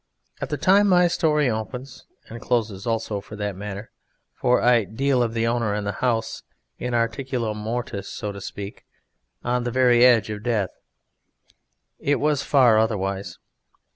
At the time my story opens and closes also for that matter (for I deal of the Owner and the House in articulo mortis so to speak; on the very edge of death) it was far otherwise.